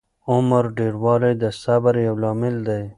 عمر ډېروالی د صبر یو لامل دی.